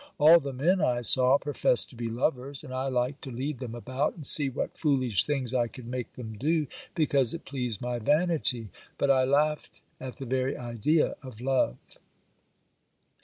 All the men I saw professed to be lovers, and I liked to lead them about and see what foolish things I could make them do, because it pleased my vanity; but I laughed at the very idea of love.